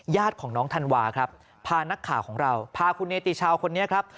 ญาติของน้องธันวาครับพานักข่าวของเราพาคุณเนติชาวคนนี้ครับ